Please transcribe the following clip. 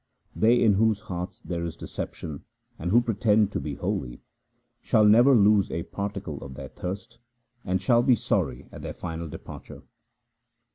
They in whose hearts there is deception and who pretend to be holy, Shall never lose a particle of their thirst, and shall be sorry at their final departure.